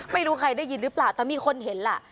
ไม่รู้ใครได้ยินหรือเปล่าแต่มีคนเห็นล่ะ